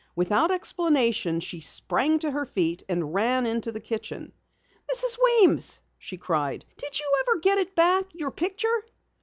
Without explanation, she sprang to her feet and ran to the kitchen. "Mrs. Weems," she cried, "did you ever get it back? Your picture!"